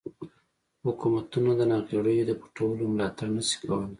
حکومتونه د ناغیړیو د پټولو ملاتړ نشي کولای.